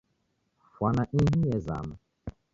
Fwana ihi yezama